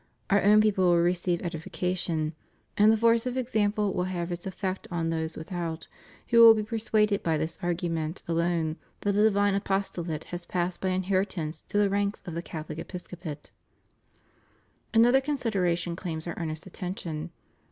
Our own people will receive edification; and the force of example will have its effect on those without — who will be persuaded by this argu ment alone that the divine apostolate has passed by inheritance to the ranks of the Catholic episcopate. Another consideration claims our earnest attention.